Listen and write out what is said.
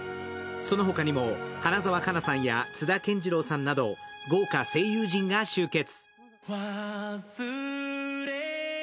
その他にも、花澤香菜さんや津田健次郎さんなど豪華声優陣が集結。